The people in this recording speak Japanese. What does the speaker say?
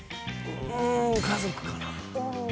家族かな。